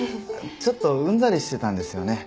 ちょっとうんざりしてたんですよね。